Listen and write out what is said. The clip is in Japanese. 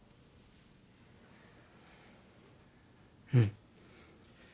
うん。